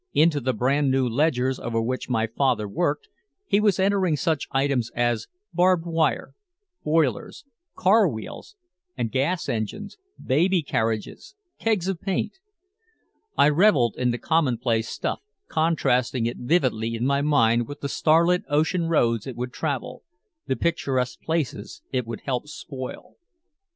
Into the brand new ledgers over which my father worked, he was entering such items as barbed wire, boilers, car wheels and gas engines, baby carriages, kegs of paint. I reveled in the commonplace stuff, contrasting it vividly in my mind with the starlit ocean roads it would travel, the picturesque places it would help spoil.